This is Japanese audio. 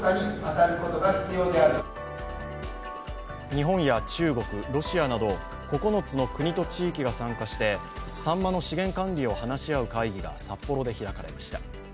日本や中国、ロシアなど９つの国と地域が参加してさんまの資源管理を話し合う会議が札幌で開かれました。